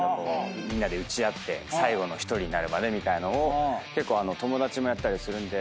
みんなで撃ち合って最後の１人になるまでみたいのを結構友達もやったりするんで。